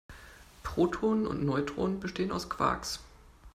Protonen und Neutronen bestehen aus Quarks.